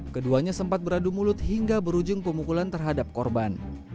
keduanya sempat beradu mulut hingga berujung pemukulan terhadap korban